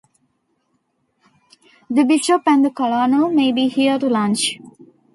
The Bishop and the Colonel may be here to lunch.